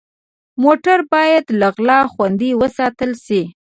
موټر باید له غلا خوندي وساتل شي.